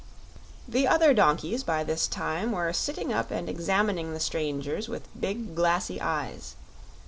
The other donkeys by this time were sitting up and examining the strangers with big, glassy eyes.